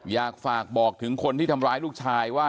อยากฝากบอกถึงคนที่ทำร้ายลูกชายว่า